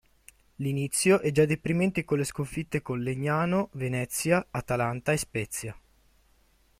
L'inizio è già deprimente con le sconfitte con Legnano, Venezia, Atalanta e Spezia.